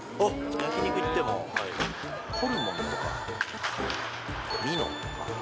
焼き肉行っても、ホルモンとかミノとか。